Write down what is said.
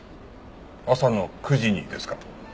朝の９時にですか？